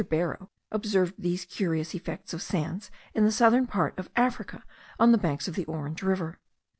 Barrow observed these curious effects of sands in the southern part of Africa, on the banks of the Orange River.